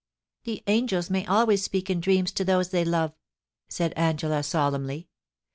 ' The angels may always speak in dreams to those they love,' said Angela, solemnly.